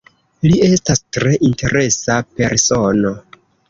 Li estas tre interesa persono.